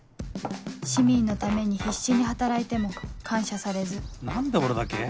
市民のために必死に働いても感謝されず何で俺だけ？